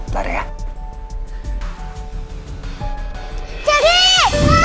abis dimarahin sama mama mereva